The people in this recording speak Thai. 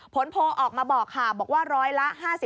ผลโพลออกมาบอกค่ะบอกว่า๑๐๐ละ๕๓